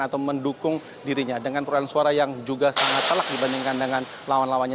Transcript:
atau mendukung dirinya dengan perolehan suara yang juga sangat telak dibandingkan dengan lawan lawannya